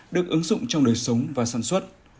được ứng dụng trong đời sống và sản xuất